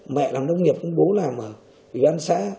mẹ làm nông nghiệp bố làm ở vị đoàn xã